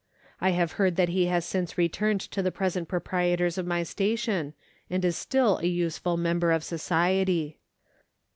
I have heard that he has since returned to the present proprietors of my station, and is still a useful member of society.